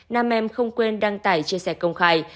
nam em không quên đăng tải chia sẻ công khai